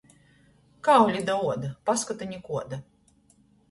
Kauli da uoda – paskota nikuoda.